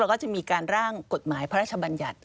แล้วก็จะมีการร่างกฎหมายพระราชบัญญัติ